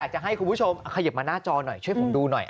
จะให้คุณผู้ชมขยิบมาหน้าจอหน่อยช่วยผมดูหน่อย